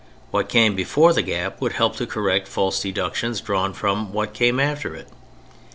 What came before the gap would help to correct false deductions drawn from what came after it.